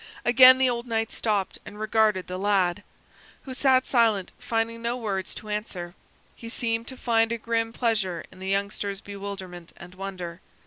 Again the old knight stopped and regarded the lad, who sat silent, finding no words to answer. He seemed to find a grim pleasure in the youngster's bewilderment and wonder.